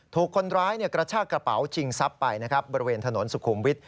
ถูกคนร้ายกระชากระเป๋าจิงซับไปบริเวณถนนสุขุมวิท